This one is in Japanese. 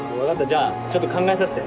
じゃあちょっと考えさせて。